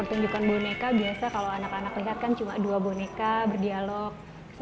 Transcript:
pertunjukan boneka biasa kalau anak anak lihat kan cuma dua boneka berdialog